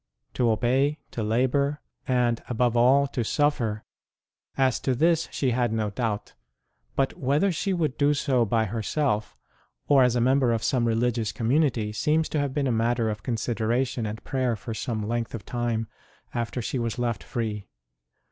To obey, to labour, and, above all, to suffer as to this she had no doubt ; but whether she would do so by herself or as a member of some religious community seems to have been a matter of consideration and prayer for some length of time after she was left free.